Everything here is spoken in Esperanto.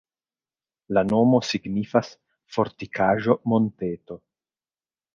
La nomo signifas: fortikaĵo-monteto.